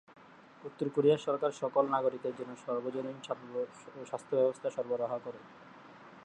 উত্তর কোরিয়ার সরকার সকল নাগরিকের জন্য সার্বজনীন স্বাস্থ্যসেবা সরবরাহ করে।